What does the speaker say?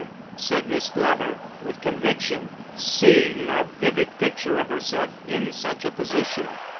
said Miss Glover, with conviction, seeing a vivid picture of herself in such a position.